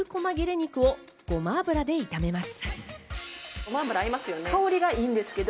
肉をごま油で炒めます。